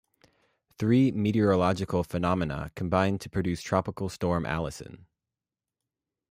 Three meteorological phenomena combined to produce Tropical Storm Allison.